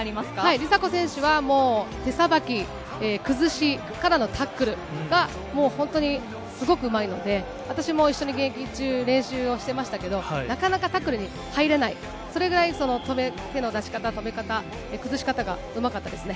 梨紗子選手はもう、手さばき、崩し、からのタックルが、もう本当にすごくうまいので、私も一緒に現役中、練習をしてましたけど、なかなかタックルに入れない、それぐらい止め、手の出し方、止め方、崩し方がうまかったです